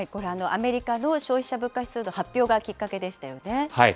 アメリカの消費者物価指数の発表がきっかけでしたよね。